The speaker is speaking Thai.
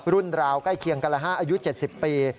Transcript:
รุ่นราวใกล้เคียงกันละ๕อายุ๗๐ปี